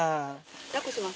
抱っこします？